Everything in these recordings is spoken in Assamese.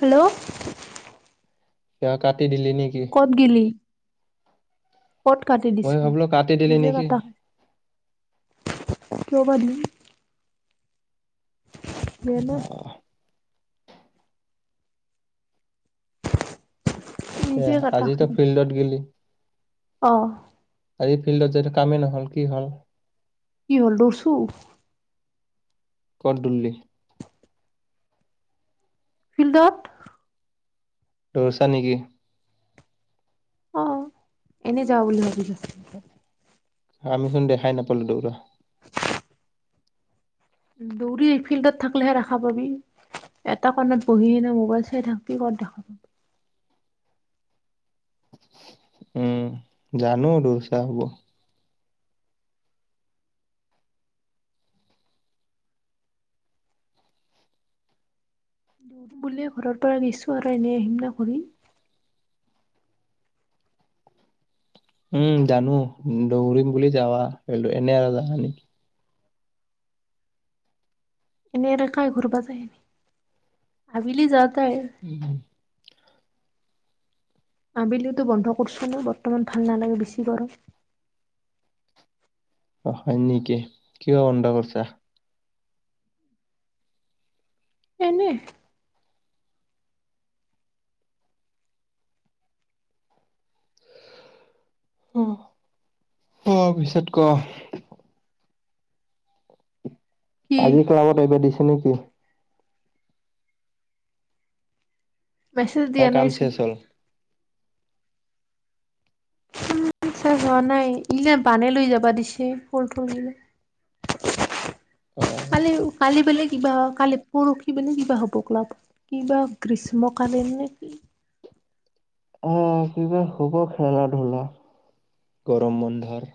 হেল্লো'। এয় কাটি দিলি নেকি? ক'ত গেলি? কত কাটি মই দিছো ভাবিলো কাটি দিলি নিজে নেকি? কটা হয় ৰবা জানো [unintelligible] এ নিজে আজিতো ফিল্ডত গেলি? অহ। আজি ফিল্ডত যটো কামেই নহল কি হল? কি হল দছো। কত দল্লি? ফিল্ডত। দৌৰিছা নেকি? অ এনে যাও বুলি ভাবিছ। আমি চোন দেখাই নাপালো দৌৰা। [unintelligible] দৌৰি ফিল্ডত থাকিলেহে দেখা পাবি। এটা কণত বহি কেনে মোবাইল চাই থাক বি কত দেখা পাব। উম জানো দচা হব। দৌৰো বুলিয়ে ঘৰৰ পৰা গৈছো আৰু এনেই আহিমনা ঘোৰি। উম জানো দৌৰিম বুলি যাবা এনে যাবা নেকি। এনেকা ঘোৰব যাই নি আবেলি যাওতে উম। আবেলিতো বন্ধ কৰিছো মই বৰ্তমান ভাল নালাগে বেছি গৰম। অ হয় নেকি, কিয় বন্ধ কৰিছা? এনে। অ অ পিছত ক। কি আজি ক্লাবত আহিব দিছে নেকি? মেছেজ না দিয়া কাম নাইচোন। চেচ হ'ল? ইচ্ছা হোৱা নাই ইনে বানে লৈ যাবা দিছে ফল থুলবিল। [unintelligible] কালি কালি বোলে কিবা কালি পৰশি বোলে কিবা হ'ব ক্লাবত। কিবা গ্ৰীষ্মকালীন নে কি। অ কিবা হ'ব খেলা ধূলা গৰম বন্ধৰ।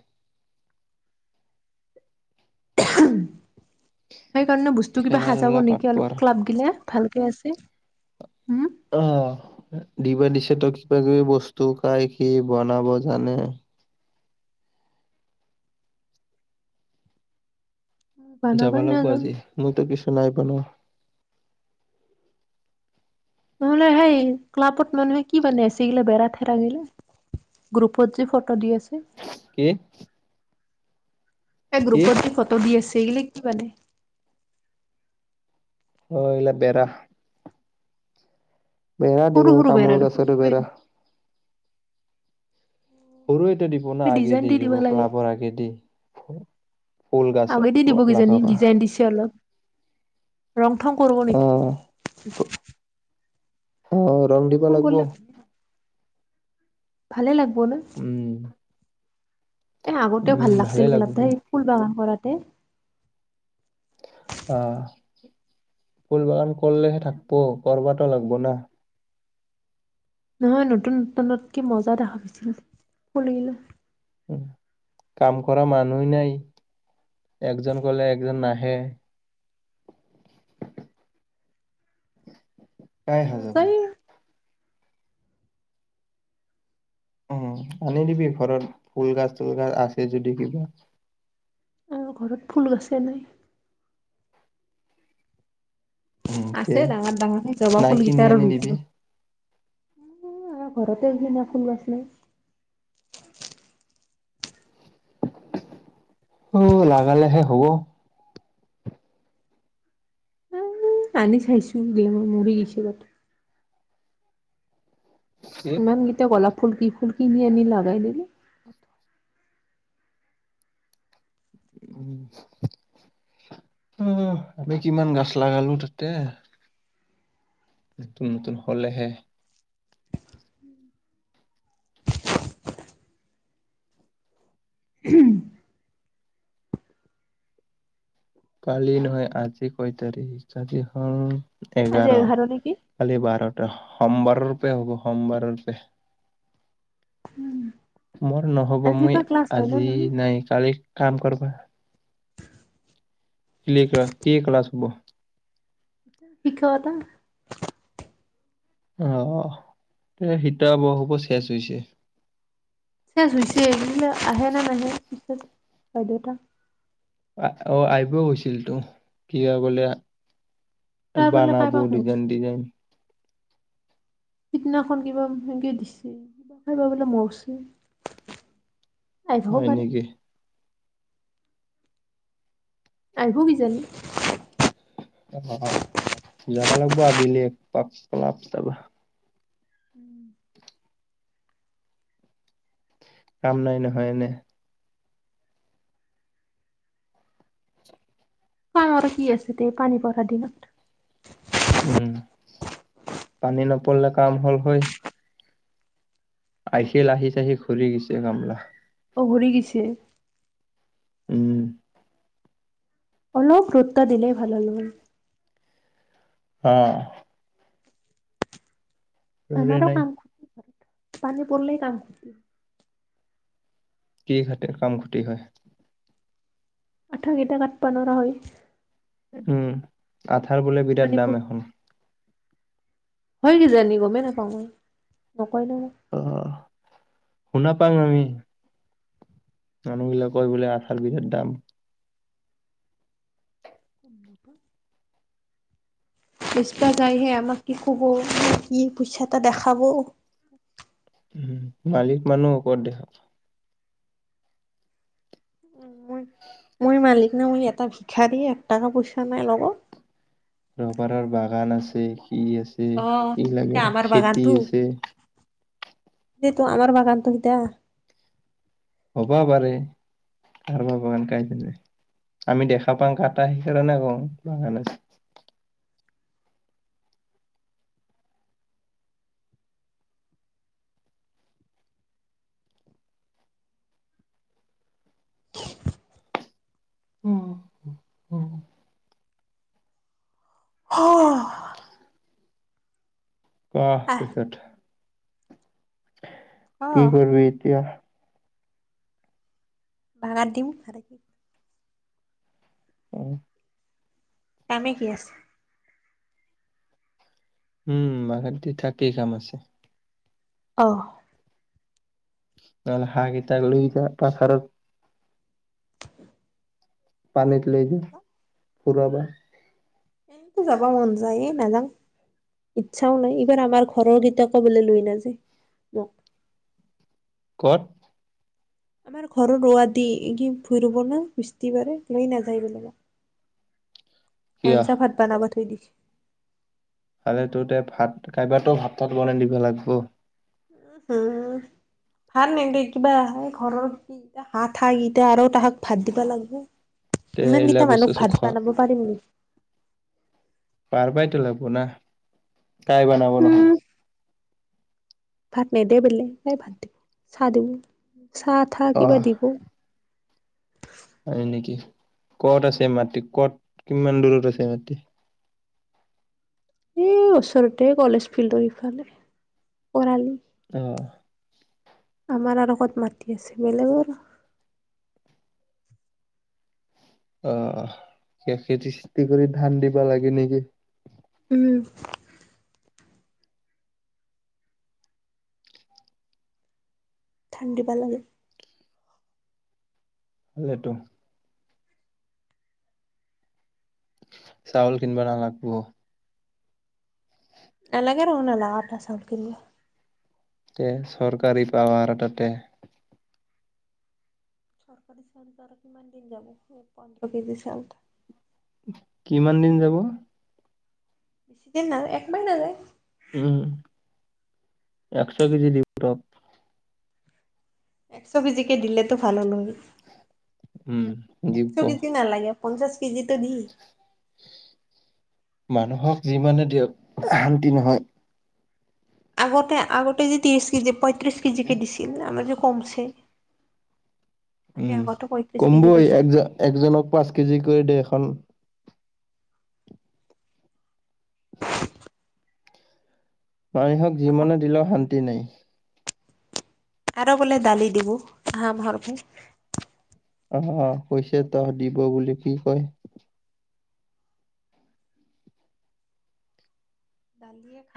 সেইকাৰণে বস্তু কিবা খেলা সাজাব ধূলা বাদ নেকি অলপ পৰ। ক্লাপ গিলে। ভালকে আছে উম। অ দিবা দিছে ত কিবা কিবি বস্তু কাই কি বনাব জানে। যাবা বানাবাই লাগব নাজানো আজি মইতো কিছু নাই বনোৱা নহলে সেই ক্লাবত মানুহে কি বানাই। আছে এগিলে বেৰা থেৰাগিলা। গ্ৰুপত যে ফটো দি আছে। কি? এ কি গ্ৰুপত দি ফটো দি আছে এইগিলা কি মানে? অ ইগিলা বেৰা। বেৰা দিব সৰু সৰু বেৰা তামোল দেখোন গাছাৰো কিবা বেৰা। সৰু এটো দিব না আগে দি দিব ক্লাবৰ আগেদি। ফুল গাছ আগেদি দিব কিইজানি লগাবা ডিজাইন দিছে অলপ ৰং থং কৰব নেকি? অ' অ ৰং দিব থং লাগব। কৰিলে ভালে লাগব না। উম। এ আগতেও ভাল উম ভালে লাগিছিল লাগব গলাটেই এই ফুল বাগান কৰাতে। অ ফুল বাগান কৰিলেহে থাকিব কৰবাতো লাগব না। নহয়, নতুন নতুনত কি মজা দেখা পাইছিল ফুল গিলা। কাম কৰা মানুহৱে নাই একজন গলে একজন নাহে। কাই হে যাব। নাযায় উম আনি দিবি ঘৰত, ফুল গাছ তুল গাছ আছে যদি কিবা? অ ঘৰত ফুল গছে নাই। উম, তে আছে ডাঙৰ - ডাঙৰ জবা নাই কিনি ফুলগিটাৰ আনি দিবি। লুইত উ আৰু ঘৰতে এইগিনা ফুল নাই। অ লাগালেহে হ'ব। আনি চাইছো এইগিলা মই মৰি গৈছো বাত। ইমান কেইটা গলাপ ফুল কি ফুল কিনি আনি লগাই দিলি। উ অ আমি কিমান গাছ লগালো তাতে। নতুন নতুন হ'লেহে। উম। কালি নহয় আজি কয় তাৰিখ আজি হ'ল আজি এঘাৰ। নেকি কালি বাৰটা সমবাৰৰুপে হ'ব সমবাৰৰুপে। মোৰ নহ'ব আজিৰ মই পৰা ক্লাছ হয় ন আজি নহয় নাই কালি কাম কৰ্বা। লিক ৰা কি ক্লাছ হব? শিক্ষকতা। অ এ শীত বৰসবোৰ শেচ হৈছে। চেজ হৈছে এইগিলা আহে নে নাহে পিছত বা বাধ্যতা আহ অ আহিব গৈছিল তো কিয় কলে? এ তাৰ বোলে বানাবো ডিজাইন কাইবা - ডিজাইন। সিদিনাখন কিবা সেনেকে দিছে কিবা খাই বা বোলে মৰছে। আহিবও হয় পাৰে নেকি? আহিব কিজানি? অ যাবা লাগিব আবেলি এক পাক পলাপ তাবা। উম। কাম নাই নহয় এনে। কামৰ কি আছে তে পানী বঢ়াৰ দিনত। উম, পানী নপৰলে কাম হ'ল হয়। আইছিল আহিছেহি ঘূৰি গেছি কামলা। অ ভৰি গিছে। উম। অলপ গুৰুত্ব দিলেই ভাল হ'ল মান অ', ৰে আমাৰো নাই কাম পানী পৰলি কাম কি খাতিৰ কাম খতি হয়? আঠা গেইটা কাটপা নৰা হয়। উম, আঠাৰ বোলে বিৰাট পানী পৰ দাম এখন। হয় কিজানি গমেই নাপাওঁ মই নকয় ন, আমাক। অ, শুনা পাং আমি। মানুহবিলাক কয় বোলে আঠাৰ বিৰাট দাম। [unintelligible] পইচপা যাইহে আমাক কি ক'ব কি পইচা এটা দেখাব উম, মালিক মানুহ শকত দেখা মই মই মালিক না মই এটা ভিক্ষাৰী এক টাকা পইচা নাই লগত। ৰবাৰৰ বাগান আছে, সি আছে, কি লাগে আৰু খেতি আছে। সেইটো আমাৰ বাগানতোগিটা হ'বা পাৰে। কাৰবাৰ বাগান কাইটে যাই আমি দেখা পাওঁ কাটা সেইকাৰণে কওঁ বাগান আছে। হ পোৱা আহ, পিছত কি অ'। কৰবি এতিয়া? বাগাৰ দিম [unintelligible] উম, কামে কি আছে উম, মাহেতি থাকেই কাম আছে। অহ। নহলে হাঁহ কেইটা লৈ যা পাথাৰত। পানীত লৈ যা ফুৰাবা। এ যাবা মন যাইয়ে এ নাজাং। ইচ্ছাও নাই ইবাৰ আমাৰ ঘৰৰগিটা ক'বোলে লৈ নাযায়। মোক ক'ত? আমাৰ ঘৰৰ ৰুৱা দি এই কি ভূঁই ৰুব না বিস্তিবাৰে লৈ নাযায় বুলে ইয়াত। কিয় আঞ্জা, ভাত বানাব থৈ দিছি। মানে তোৰতে ভাত কাইবাটো ভাত - তাত বনে নিবা লাগব। উ, হু ভাত নেক কিবা ঘৰৰ কি আঠা গিতা আৰু তাহাক ভাত দিবা লাগব। তে এইলা ইমানকেইটা বস্তু মানুহক চস্তু ভাত খ দিবা লাগব পাৰিম নে পাৰবাইতো লাগব না কাই বানাব নহলি? উম ভাত নিদে বোলে এ বাদ দি চাহ দিব চাহ থাহ অ কিবা দিব। হয় নেকি ক'ত আছে মাটি ক'ত কিমান দূৰত আছে মাটি? এ ওচৰতে কলেজ ফিল্ডৰ ইফালে পৰালি। অ', আমাৰ আৰু ক'ত মাটি আছে বেলেগৰ। অ, সে খেতি -চেতি কৰি ধান দিব লাগিলে গে। উম, ধান দিব লাগে। লেটো। চাউল কিনিব না লাগিব। এলাগে দেখোন বেলেগৰ পৰা চাউল কিনিব। তে চৰকাৰী পাম আৰ তাতে। চৰকাৰী চাউলটো আৰু কিমান দিন যাব সে পন্ধৰ কেজি চাউলটো। কিমান দিন যাব? [unintelligible] একমাহেই নাযায়। উম, একশ কেজি দি ৰূপ একশ কেজিকে দিলেতো ভালো নহল উম একশ দিব কেজি নালাগে। পঞ্চাছ কেজিটো দি। মানুহক যিমানে দিয়ক শান্তি নহয়। আগতে আগতে যে ত্ৰিশ কেজি পঁয়ত্ৰিশ কেজি কে দিছিল আমাৰ যে কমছে। আমি উম, আগতে পঁয়ত্ৰিশ কেজি কমবই এক পাইছিলো একজনক পাঁচ কেজি কৰি দে এখন। মানুহক আগত জিমানে দিলো শান্তি নাই। আৰু বোলে দালি দিব আহা মাহৰপে। অ, কৈ হৈছে তহ দিব বুলি কি কয়।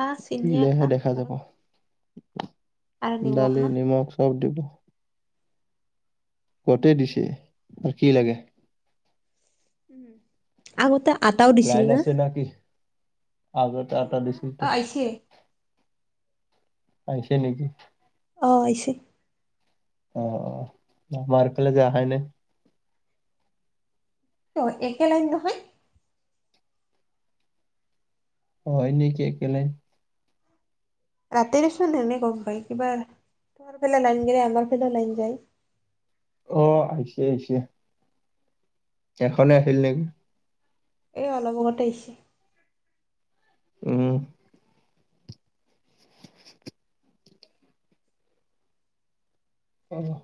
আ, চেনিয়ে দিলেহে খাম দেখা যাব আৰু আৰু নিমখ ন। চব দিব। গোটে দিছি আৰু কি লাগে। উম, আগতে আটাও দিছিল না? ন কি। [unintelligible] আগতে লাইন আটা নাই। দিছিল ত অ', আহিছে। আইছে নেকি। অ, আইছে। অ, আমাৰ ফাল অহা নাই। ত, একে লাইন নহয়? হয় নেকি একে লাইন। ৰাতি দিচোন এনেই গম পাই কিবা তোমাৰ ফা লাইন গেলে আমাৰ ফালাও লাইন যায়। অ, আহিছে - আহিছে। এখনে আছিল নেকি। এই অলপ আগতে আহিছে। উম, অহ',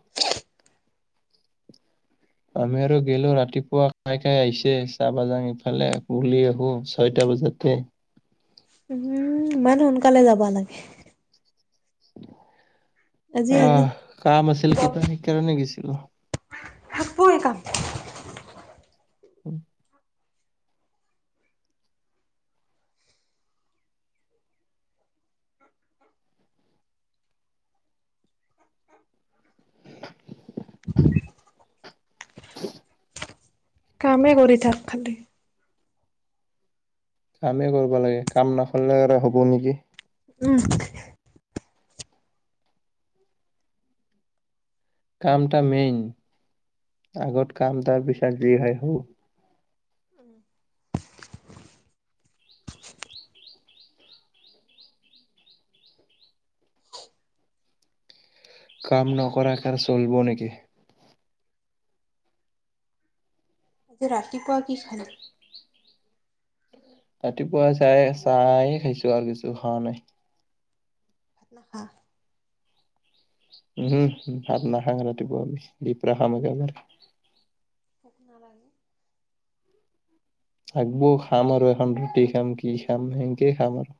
আমি আৰু গলো ৰাতিপুৱা কাই - কাই আহিছে চাবা জাং ইফালে বুলি এখোজ ছয়টা বজাতে। উম, ইমান সোনকালে যাবা লাগে। আজি অ, এনে কাম আছিল কিবা সেইকাৰনে গৈছিলো। সপৰে কাম। [unintelligible] উম, [inaudible] [inaudible] কামে কৰি থাক খালি। কামেই কৰিব লাগে কাম নকৰলে হ'ব নেকি। উম, কামটা মেইন আগত কাম তাৰ পিছত যি হয় হ। [inaudible] কাম নকৰাক কাৰ চলিব নেকি। আজি ৰাতিপুৱা কি খালি? ৰাতিপুৱা চাহে - চাহেই খাইছো আৰু কিছু খাৱা নাই। ভাত নাখা? উহু, ভাত নাখাং ৰাতিপুৱা আমি দিপৰা খাম একেবাৰ। ভুক নালাগে? হাগবৌ খাম আৰু এখন ৰুটি খাম কি খাম সেনেকেই খাম আৰু।